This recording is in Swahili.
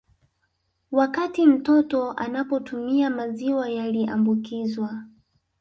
Wakati mtoto anapotumia maziwa yaliambukizwa